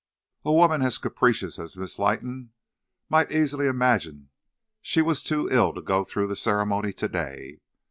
A woman as capricious as Miss Leighton might easily imagine she was too ill to go through the ceremony to day.